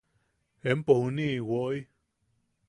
Empo juniʼi woʼi;.